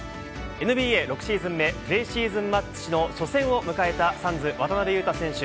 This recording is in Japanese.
ＮＢＡ６シーズン目プレシーズンマッチの初戦を迎えたサンズの渡邊雄太選手。